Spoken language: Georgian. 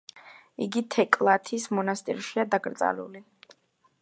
იგი თეკლათის მონასტერშია დაკრძალული.